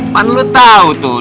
kan lo tau tuh